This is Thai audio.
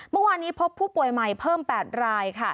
เมื่อวานนี้พบผู้ป่วยใหม่เพิ่ม๘ราย